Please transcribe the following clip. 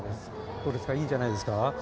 どうですか、いいじゃないですか？